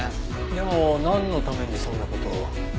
でもなんのためにそんな事を？